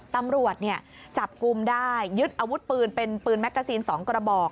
ตำรวจจับกลุ่มได้ยึดอาวุธปืนเป็นปืนแกซีน๒กระบอก